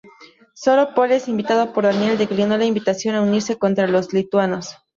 Sólo Poles, invitado por Daniel, declinó la invitación a unirse contra los lituanos.